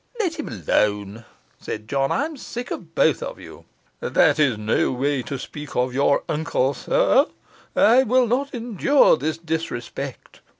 'Let him alone,' said John. 'I am sick of both of you.' 'That is no way to speak of your uncle, sir,' cried Joseph. 'I will not endure this disrespect.